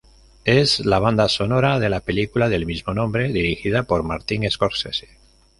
Es la banda sonora de la película del mismo nombre dirigida por Martin Scorsese.